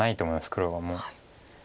黒はもう。